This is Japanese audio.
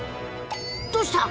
どうした？